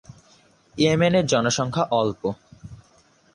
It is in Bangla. ইয়েমেনের জনসংখ্যা অল্প।